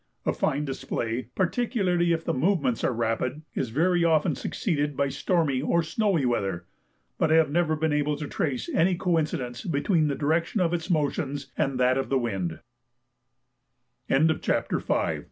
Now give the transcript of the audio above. A fine display, particularly if the movements are rapid, is very often succeeded by stormy or snowy weather, but I have never been able to trace any coincidence between the direction of its motions, and that of the wind. CHAPTER VI.